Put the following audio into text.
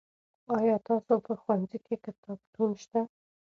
آیا ستا په ښوونځي کې کتابتون شته؟